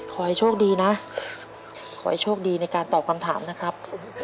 ขอให้โชคดีนะขอให้โชคดีในการตอบคำถามนะครับ